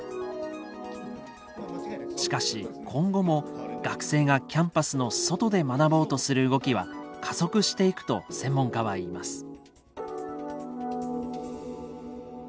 しかし今後も学生がキャンパスの外で学ぼうとする動きは加速していくと専門家は言います。